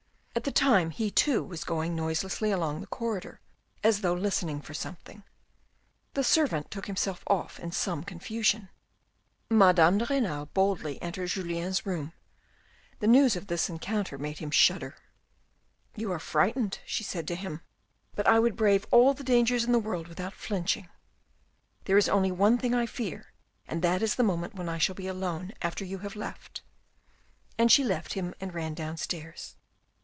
At the time he too was going noiselessly along the corridor, as though listening for something. The servant took himself off in some confusion. Madame de Renal boldly entered Julien's room. The news of this encounter made him shudder. " You are frightened," she said to him, " but I would brave all the dangers in the world without flinching. There is only one thing I fear, and that is the moment when I shall be alone after you have left," and she left him and ran downstairs.